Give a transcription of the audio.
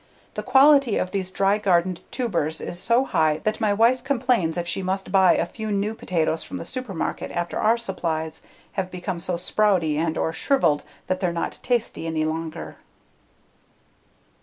The quality of these dry gardened tubers is so high that my wife complains if she must buy a few new potatoes from the supermarket after our supplies have become so sprouty and/or shriveled that they're not tasty any longer.